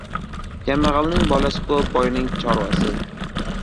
• Kambag‘alning bolasi ko‘p, boyning — chorvasi.